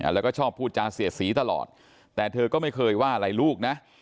แล้วก็ชอบพูดจาเสียดสีตลอดแต่เธอก็ไม่เคยว่าอะไรลูกนะ